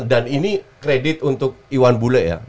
dan ini kredit untuk iwan bule ya